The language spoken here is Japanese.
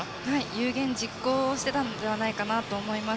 有言実行したのではないかと思います。